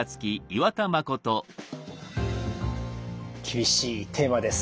厳しいテーマです。